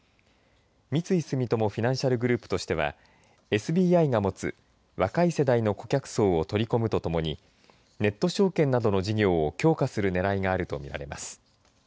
三井住友フィナンシャルグループとしてはＳＢＩが持つ若い世代の顧客層を取り込むとともにネット証券などの事業を強化するねらいがあると見られます。